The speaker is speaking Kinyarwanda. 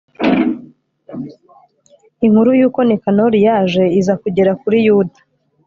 inkuru y'uko nikanori yaje iza kugera kuri yuda